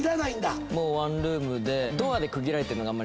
もうワンルームで。